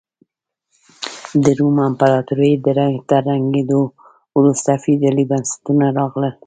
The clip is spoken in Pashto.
د روم امپراتورۍ تر ړنګېدو وروسته فیوډالي بنسټونه راغلل.